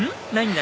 何？